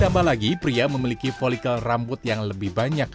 apalagi pria memiliki folikel rambut yang lebih banyak